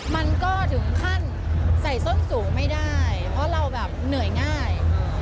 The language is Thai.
มันก็ถึงขั้นใส่ส้นสูงไม่ได้เพราะเราแบบเหนื่อยง่าย